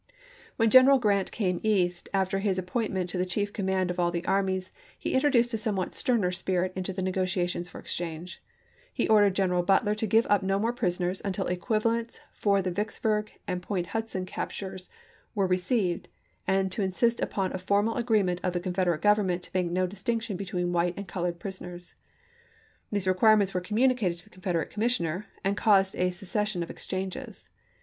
When General Grant came East, after his ap pointment to the chief command of all the armies, he introduced a somewhat sterner spirit into the negotiations for exchange. He ordered General Butler to give up no more prisoners, until equiva lents for the Vicksburg and Port Hudson captures were received, and to insist upon a formal agree ment of the Confederate Government to make no distinction between white and colored prisoners. These requirements were communicated to the Confederate commissioner, and caused a cessation of exchanges.